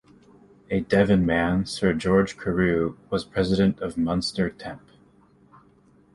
A Devon man, Sir George Carew was President of Munster temp.